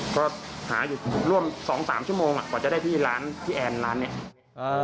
ก็หาอยู่ร่วม๒๓ชั่วโมงกว่าจะได้ที่ร้านพี่แอนร้านนี้